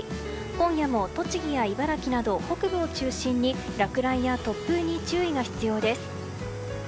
今夜も栃木や茨城など北部を中心に落雷や突風に注意が必要です。